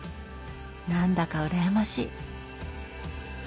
何だか羨ましい。